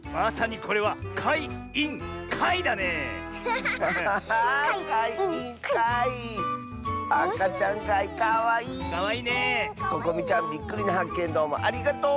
ここみちゃんびっくりなはっけんどうもありがとう！